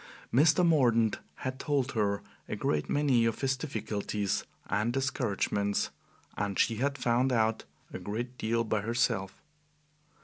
Mr. Mordaunt had told her a great many of his difficulties and discouragements, and she had found out a great deal by herself.